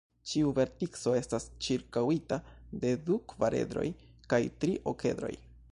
Ĉiu vertico estas ĉirkaŭita de du kvaredroj kaj tri okedroj.